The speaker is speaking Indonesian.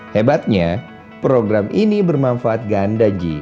hebatnya program ini bermanfaat ganda ji